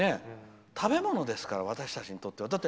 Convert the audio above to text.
食べ物ですから私たちにとっては。